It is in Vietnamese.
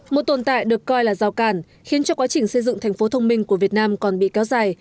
một tồn tại được coi là giao cản khiến cho quá trình xây dựng thành phố thông minh của việt nam còn bị kéo dài